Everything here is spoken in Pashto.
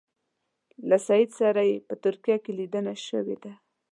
له سید سره یې په ترکیه کې لیدنه شوې ده.